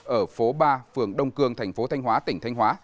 ở phố ba phường đông cương thành phố thanh hóa tỉnh thanh hóa